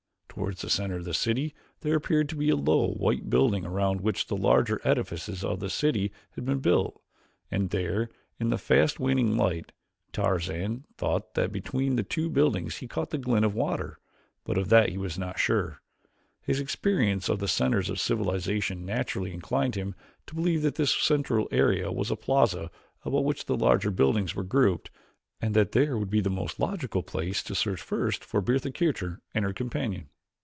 Toward the center of the city there appeared to be a low, white building around which the larger edifices of the city had been built, and here, in the fast waning light, Tarzan thought that between two buildings he caught the glint of water, but of that he was not sure. His experience of the centers of civilization naturally inclined him to believe that this central area was a plaza about which the larger buildings were grouped and that there would be the most logical place to search first for Bertha Kircher and her companion.